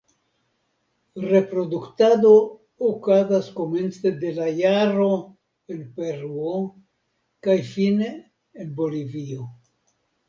Reproduktado okazas komence de la jaro en Peruo kaj fine en Bolivio.